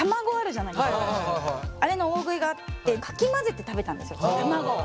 あれの大食いがあってかき混ぜて食べたんですよ卵を。